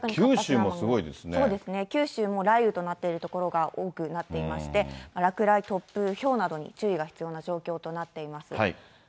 そうですね、九州も雷雨となっている所が多くなっていまして、落雷、突風、ひょうなどに注意が必要な状況となっています。